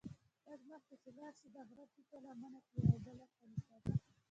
لږ مخکې چې لاړ شې د غره ټیټه لمنه کې یوه بله کلیسا ده.